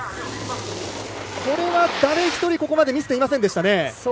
これは誰一人ここまで見せていませんでした。